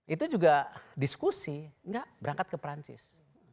itu juga diskusi enggak berangkat ke prancis